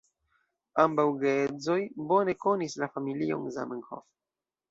Ambaŭ geedzoj bone konis la familion Zamenhof.